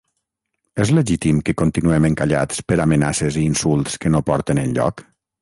És legítim que continuem encallats per amenaces i insults que no porten enlloc?